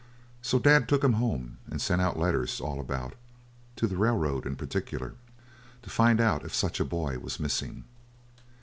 So Dad took him home and sent out letters all about to the railroad in particular to find out if such a boy was missing.